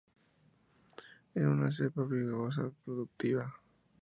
Es una cepa vigorosa y productiva.